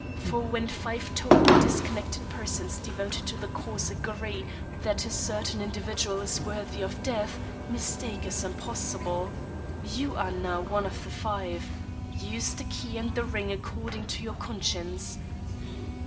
For, when five totally disconnected persons devoted to the cause agree that a certain individual is worthy of death, mistake is impossible. You are now one of the five. Use the key and the ring according to your conscience.